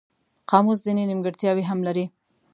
قاموس ځینې نیمګړتیاوې هم لري.